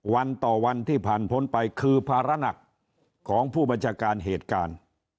วันต่อวันที่ผ่านพ้นไปคือภาระหนักของผู้บัญชาการเหตุการณ์